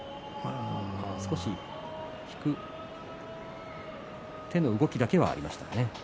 引く手の動きだけはありましたね。